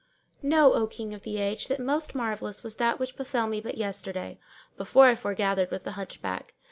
Know, O King of the age, that most marvellous was that which befell me but yesterday, before I foregathered with the Hunch back.